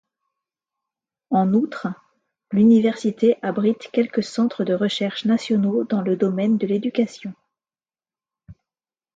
En outre, l’université abrite quelques centres de recherche nationaux dans le domaine de l’éducation.